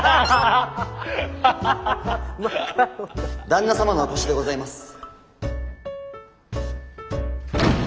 旦那様のお越しでございます。